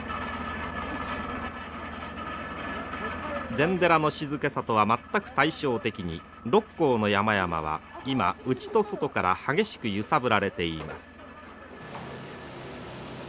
禅寺の静けさとは全く対照的に六甲の山々は今内と外から激しく揺さぶられています。